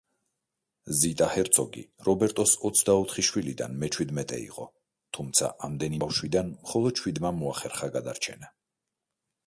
ზიტა ჰერცოგი რობერტოს ოცდაოთხი შვილიდან მეჩვიდმეტე იყო, თუმცა ამდენი ბავშვიდან მხოლოდ შვიდმა მოახერხა გადარჩენა.